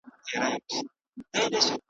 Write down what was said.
کتاب انسان ته فکر ورکوي.